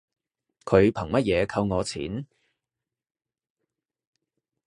佢憑乜嘢扣我錢